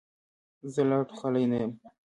زه لا ټوخلې نه یم.